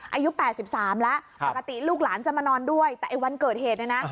อายุ๘๓แล้วปกติลูกหลานจะมานอนด้วยแต่ไอ้วันเกิดเหตุเนี่ยนะ